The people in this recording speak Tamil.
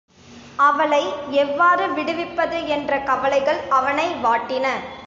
அவளை எவ்வாறு விடுவிப்பது? என்ற கவலைகள் அவனை வாட்டின.